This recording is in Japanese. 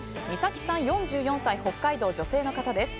４４歳、北海道、女性の方です。